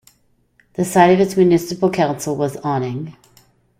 The site of its municipal council was Auning.